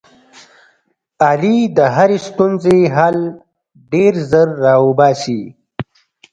علي د هرې ستونزې حل ډېر زر را اوباسي.